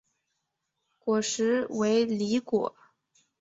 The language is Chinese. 果实为离果。